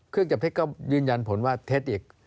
เครื่องจับเท็จก็ยืนยันผลว่าเท็จอีก